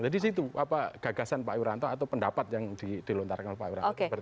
di situ gagasan pak wiranto atau pendapat yang dilontarkan oleh pak wiranto